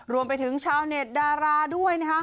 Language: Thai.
รวมไปถึงชาวเน็ตดาราด้วยนะคะ